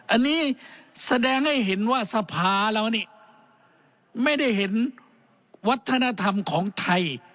อันนี้แสดงให้เห็นว่าสภาเรานี่ไม่ได้เห็นวัฒนธรรมของไทย